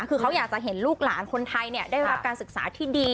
คือเขาอยากจะเห็นลูกหลานคนไทยได้รับการศึกษาที่ดี